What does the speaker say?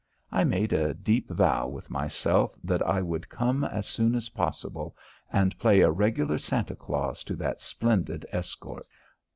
I made a deep vow with myself that I would come as soon as possible and play a regular Santa Claus to that splendid escort.